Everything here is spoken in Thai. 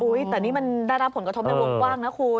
แต่นี่มันได้รับผลกระทบในวงกว้างนะคุณ